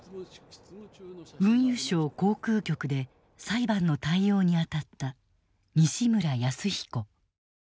運輸省航空局で裁判の対応に当たった西村泰彦。